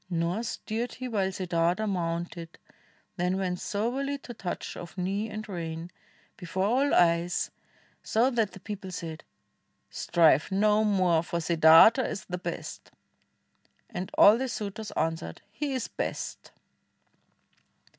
Nor stirred he while Siddartha mounted, then Went soberly to touch of knee and rein Before all eyes, so that the people said, "Strive no more, for Siddartha is the best." And all the suitors answered "He is best!"